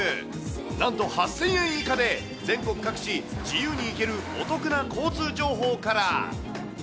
なんと８０００円以下で、全国各地自由に行けるお得な交通情報から。